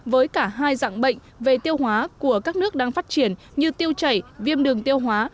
với cả hai dạng bệnh về tiêu hóa của các nước đang phát triển như tiêu chảy viêm đường tiêu hóa